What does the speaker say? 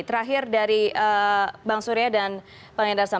terakhir dari bang surya dan pangindasan